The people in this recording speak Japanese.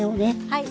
はい。